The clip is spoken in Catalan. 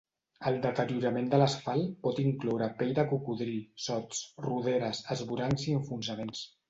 El deteriorament de l'asfalt pot incloure pell de cocodril, sots, roderes, esvorancs i enfonsaments.